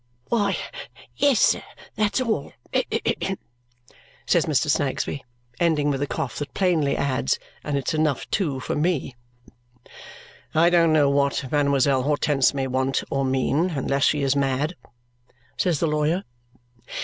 "Why yes, sir, that's all," says Mr. Snagsby, ending with a cough that plainly adds, "and it's enough too for me." "I don't know what Mademoiselle Hortense may want or mean, unless she is mad," says the lawyer.